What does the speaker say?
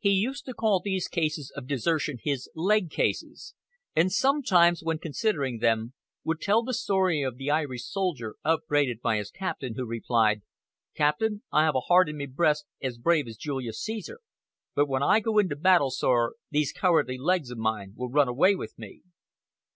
He used to call these cases of desertion his "leg cases," and sometimes when considering them, would tell the story of the Irish soldier, upbraided by his captain, who replied: "Captain, I have a heart in me breast as brave as Julius Caesar, but when I go into battle, Sor, these cowardly legs of mine will run away with me."